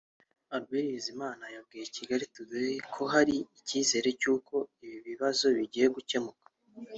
Albert Bizimana yabwiye Kigali Today ko hari icyizere cy’uko ibi bibazo bigiye gukemuka